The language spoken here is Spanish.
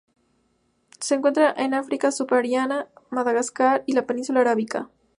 Se encuentra en Africa Subsahariana, Madagascar y la península arábica.